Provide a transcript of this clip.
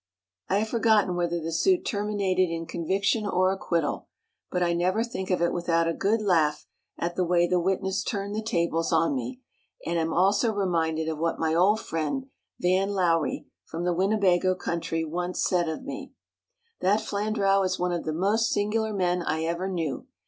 I have forgotten whether the suit terminated in conviction or acquittal, but I never think of it without a good laugh at the way the witness turned the tables on me, and am also reminded of what my old friend, Van Lowry, from the Winnebago country, once said of me: "That Flandrau is one of the most singular men I ever knew.